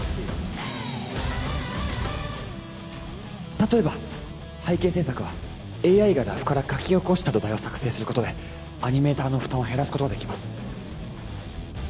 例えば背景制作はＡＩがラフから描き起こした土台を作成することでアニメーターの負担を減らすことができます